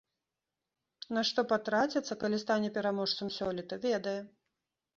На што патраціцца, калі стане пераможцам сёлета, ведае.